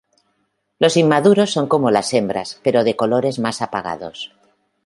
Los inmaduros son como las hembras pero de colores más apagados.